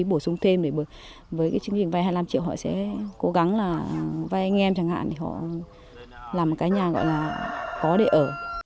bổ sung thêm để với cái chương trình vay hai mươi năm triệu họ sẽ cố gắng là vay anh em chẳng hạn thì họ làm cái nhà gọi là có để ở